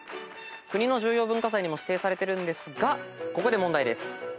国の重要文化財にも指定されてるんですがここで問題です。